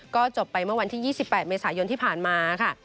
ก็จบไปเมื่อวันที่๒๘เมษายนที่ผ่านมาค่ะ